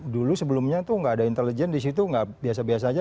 dulu sebelumnya tuh nggak ada intelijen di situ nggak biasa biasa aja